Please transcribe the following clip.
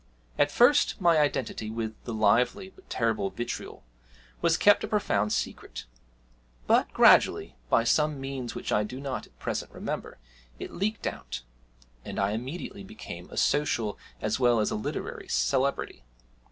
At first my identity with the lively but terrible 'Vitriol' was kept a profound secret, but gradually, by some means which I do not at present remember, it leaked out, and I immediately became a social, as well as a literary, celebrity.